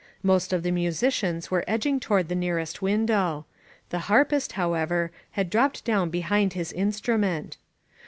Most of the musicians were edging toward the nearest window; the harpist, however, had dropped down behind his instrument.'